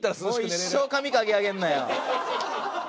もう一生髪かき上げんなよ。